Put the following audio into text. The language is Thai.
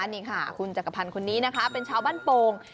นี่ค่ะคุณจักรพันธ์คนนี้นะคะเป็นชาวบ้านโป่ง